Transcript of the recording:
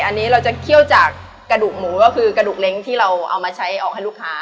อันนี้เราจะเคี่ยวจากกระดูกหมูก็คือกระดูกเล้งที่เราเอามาใช้ออกให้ลูกค้า